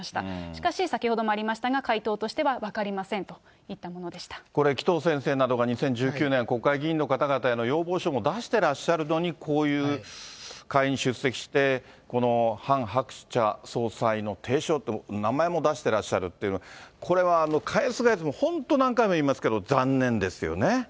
しかし先ほどもありましたが、回答としては分かりませんといったこれ、紀藤先生などが２０１９年、国会議員の方々への要望書も出してらっしゃるのに、こういう会に出席して、このハン・ハクチャ総裁の提唱と、名前も出してらっしゃるという、これは返す返すも本当に何回も言いますけど、残念ですよね。